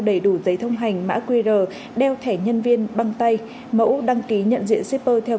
đầy đủ giấy thông hành mã qr đeo thẻ nhân viên băng tay mẫu đăng ký nhận diện shipper theo